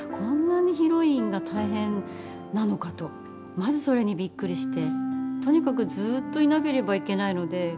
まず、それにびっくりして。